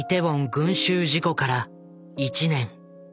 群集事故から１年。